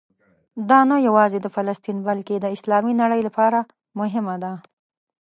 دا نه یوازې د فلسطین بلکې د اسلامي نړۍ لپاره مهمه ده.